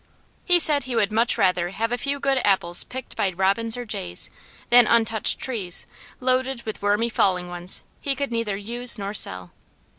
He said he would much rather have a few good apples picked by robins or jays, than untouched trees, loaded with wormy falling ones he could neither use nor sell.